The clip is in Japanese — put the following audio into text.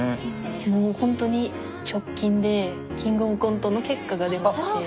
もうほんとに直近で「キングオブコント」の結果が出まして。